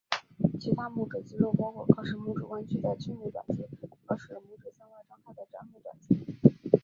其他拇指肌肉包括可使拇指弯曲的屈拇短肌和使拇指向外张开的展拇短肌。